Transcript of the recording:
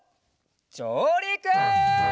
じょうりく！